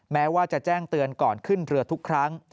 แม้ว่าจะแจ้งเตือนก่อนขึ้นเรือทุกครั้ง